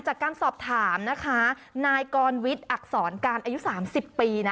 จากการสอบถามนะคะนายกรวิทย์อักษรการอายุ๓๐ปีนะ